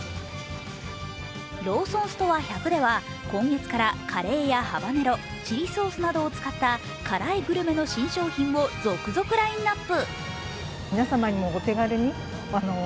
ローソンストア１００では今月からカレーやハバネロチリソースなどを使った辛いグルメの新商品を続々ラインナップ。